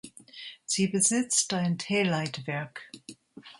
Sie besitzt ein T-Leitwerk.